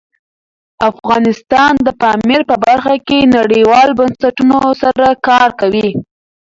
افغانستان د پامیر په برخه کې نړیوالو بنسټونو سره کار کوي.